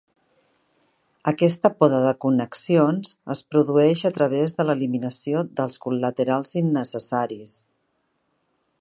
Aquesta poda de connexions es produeix a través de l'eliminació dels col·laterals innecessaris.